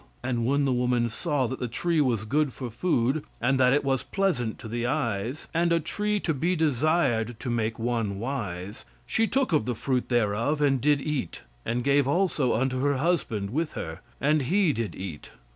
And when the woman saw that the tree was good for food, and that it was pleasant to the eyes, and a tree to be desired to make one wise, she took of the fruit thereof and did eat, and gave also unto her husband with her, and he did eat......